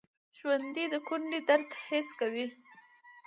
ژوندي د کونډې درد حس کوي